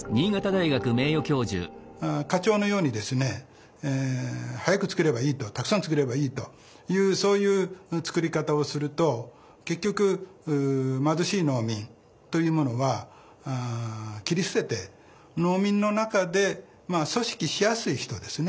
課長のようにですね早く作ればいいとたくさん作ればいいというそういう作り方をすると結局貧しい農民というものは切り捨てて農民の中で組織しやすい人ですね。